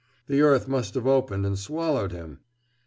The earth must have opened and swallowed him!"